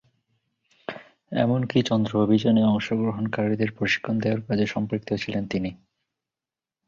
এমনকি চন্দ্র অভিযানে অংশগ্রহণকারীদের প্রশিক্ষণ দেওয়ার কাজে সম্পৃক্ত ছিলেন তিনি।